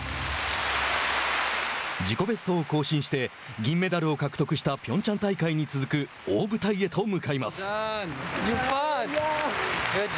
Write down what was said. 自己ベストを更新して銀メダルを獲得したピョンチャン大会に続く大舞台へ向かいます。